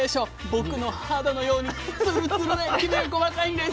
僕の肌のようにつるつるできめが細かいんです。